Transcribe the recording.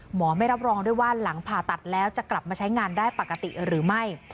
ไม่รับรองด้วยว่าหลังผ่าตัดแล้วจะกลับมาใช้งานได้ปกติหรือไม่